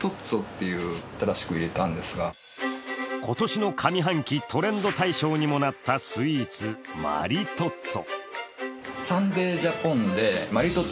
今年の上半期トレンド大賞にもなったスイーツ、マリトッツォ。